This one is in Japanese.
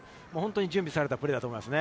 準備されたプレーだと思います。